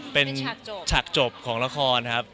เป็นฉากจบของละครครับ